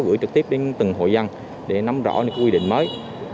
gửi trực tiếp đến từng hội dân để nắm rõ những quy định mới